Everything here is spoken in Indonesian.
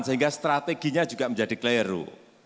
sehingga strateginya juga menjadi keleru